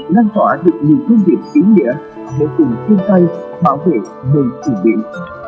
lan tỏa được nhiều công việc kỹ nghĩa để cùng chung tay bảo vệ nơi chủng biển